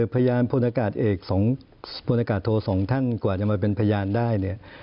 พยานพลนากาศเอกพลนากาศโท๒ท่านกว่าจะมาเป็นพยานได้